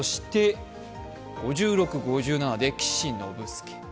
５６、５７で岸信介。